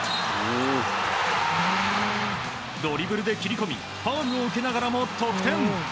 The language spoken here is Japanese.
ドリブルで切り込みファウルを受けながらも得点。